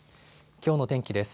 きょうの天気です。